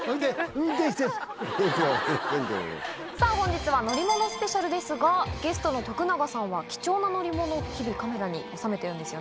さぁ本日は乗り物スペシャルですがゲストの徳永さんは貴重な乗り物日々カメラに収めてるんですよね。